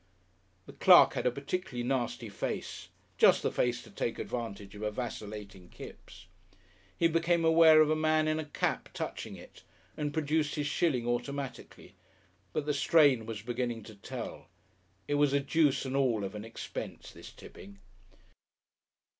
The clerk had a particularly nasty face, just the face to take advantage of a vacillating Kipps. He became aware of a man in a cap touching it, and produced his shilling automatically, but the strain was beginning to tell. It was a deuce and all of an expense this tipping.